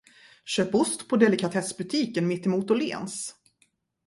Köp ost på delikatessbutiken mittemot Åhléns.